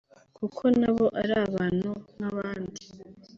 kuko nabo ari abantu nk’abandi